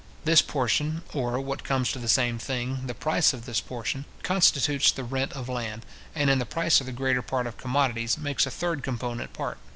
This portion, or, what comes to the same thing, the price of this portion, constitutes the rent of land, and in the price of the greater part of commodities, makes a third component part.